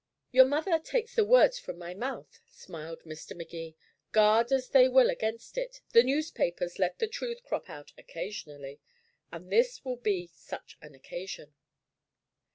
"Your mother takes the words from my mouth," smiled Mr. Magee. "Guard as they will against it, the newspapers let the truth crop out occasionally. And this will be such an occasion."